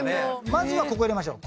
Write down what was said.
まずはここ入れましょう。